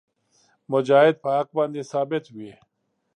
مجاهد په حق باندې ثابت وي.